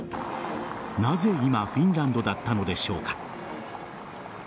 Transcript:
なぜ今フィンランドだったのでしょうか。